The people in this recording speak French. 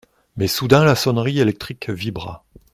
Mais, soudain, la sonnerie électrique vibra.